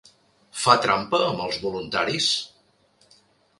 Fa trampa amb els voluntaris?